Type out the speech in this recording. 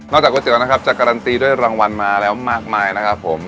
จากก๋วยเตี๋ยนะครับจะการันตีด้วยรางวัลมาแล้วมากมายนะครับผม